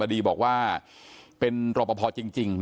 ทางรองศาสตร์อาจารย์ดรอคเตอร์อัตภสิตทานแก้วผู้ชายคนนี้นะครับ